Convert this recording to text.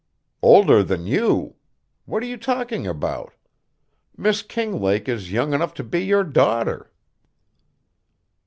"Older than you? What are you talking about? Miss Kinglake is young enough to be your daughter."